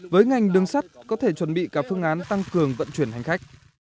với ngành đường sắt có thể chuẩn bị cả phương án tăng cường vận chuyển hành khách